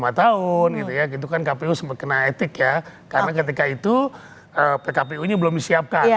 lima tahun gitu ya gitu kan kpu kena etik ya karena ketika itu pkpu ini belum disiapkan